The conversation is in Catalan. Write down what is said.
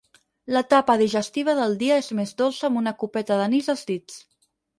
L'etapa digestiva del dia és més dolça amb una copeta d'anís als dits.